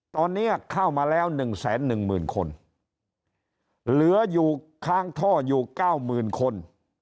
ตอนนี้เข้ามาแล้ว๑แสน๑หมื่นคนเหลืออยู่ค้างท่ออยู่๙หมื่นคน